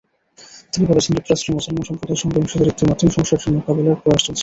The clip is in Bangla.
তিনি বলেছেন, যুক্তরাষ্ট্রে মুসলমান সম্প্রদায়ের সঙ্গে অংশীদারত্বের মাধ্যমে সমস্যাটির মোকাবিলার প্রয়াস চলছে।